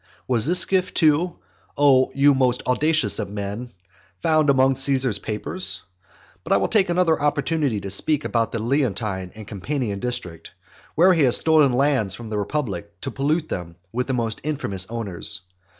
Was this gift, too, O you most audacious of men, found among Caesar's papers? But I will take another opportunity to speak about the Leontine and the Campanian district; where he has stolen lands from the republic to pollute them with most infamous owners.